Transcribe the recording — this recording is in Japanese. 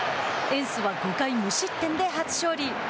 エンスは５回無失点で初勝利。